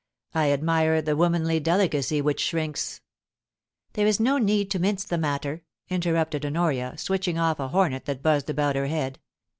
* I admire the womanly delicacy which shrinks ' 'There is no need to mince the matter/ interrupted Honoria, switching off a hornet that buzzed about her head.